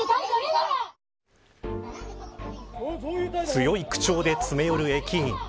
強い口調で詰め寄る駅員。